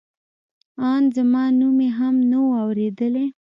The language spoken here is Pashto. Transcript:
ان زما نوم یې هم نه و اورېدلی.